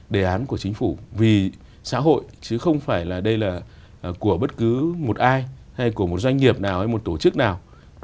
đề án của chính phủ vì xã hội chứ không phải là đây là của bất cứ một ai hay của một doanh nghiệp nào hay một tổ chức nào